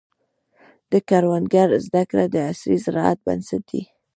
د کروندګرو زده کړه د عصري زراعت بنسټ دی.